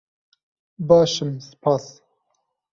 Baş im, spas.